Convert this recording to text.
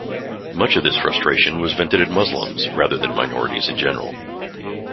Much of this frustration was vented at Muslims rather than minorities in general.